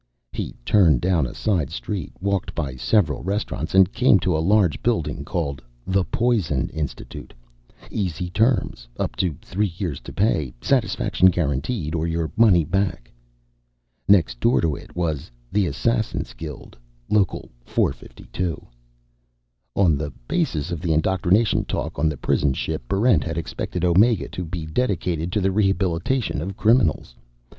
He turned down a side street, walked by several restaurants, and came to a large building called THE POISON INSTITUTE (Easy Terms. Up to 3 Years to Pay. Satisfaction Guaranteed or Your Money Back). Next door to it was THE ASSASSIN'S GUILD, Local 452. On the basis of the indoctrination talk on the prison ship, Barrent had expected Omega to be dedicated to the rehabilitation of criminals.